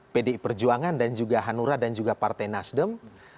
pdi perjuangan dan juga hanura dan juga partai nasdem